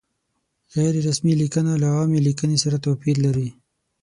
غیر رسمي لیکنه له عامې لیکنې سره توپیر لري.